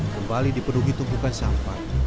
kembali dipenuhi tumpukan sampah